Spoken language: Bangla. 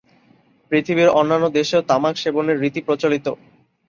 পৃথিবীর অন্যান্য দেশেও তামাক সেবনের রীতি প্রচলিত।